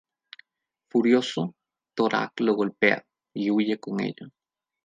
Furioso, Torak lo golpea y huye con ella.